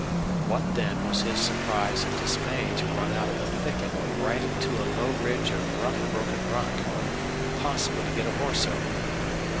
What, then, was his surprise and dismay to run out of a thicket right into a low ridge of rough, broken rock, impossible to get a horse over.